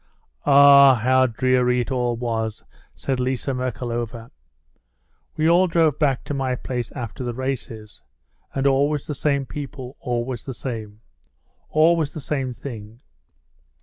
"Ah, how dreary it all was!" said Liza Merkalova. "We all drove back to my place after the races. And always the same people, always the same. Always the same thing.